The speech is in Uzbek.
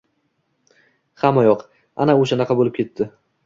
— Hammayoq... ana o‘shanaqa bo‘lib ketdi!